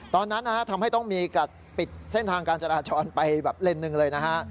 ตอนนั้นทำให้ต้องมีการปิดเส้นทางการจราจรไปแบบเลนส์หนึ่งเลยนะฮะ